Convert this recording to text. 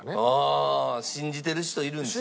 あ信じてる人いるんですね。